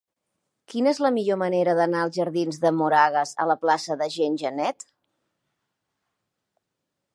Quina és la millor manera d'anar dels jardins de Moragas a la plaça de Jean Genet?